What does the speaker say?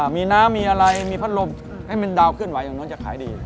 มีน้ำมีอะไรมีพัดลมให้มันดาวเคลื่อนไหวอย่างนู้นจะขายดี